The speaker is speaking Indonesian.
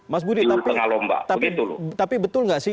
mas budi tapi betul nggak sih